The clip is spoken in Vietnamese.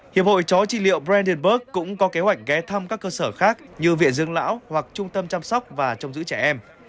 hiệp hội chó trị liệu brandenberg cũng có kế hoạch ghé thăm các cơ sở khác như viện dưỡng lão hoặc trung tâm chăm sóc và trông giữ trẻ em